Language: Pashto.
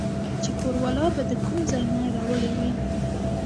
چې کور والا به د کوم ځاے نه راوړې وې